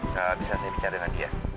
nggak bisa saya bicara dengan dia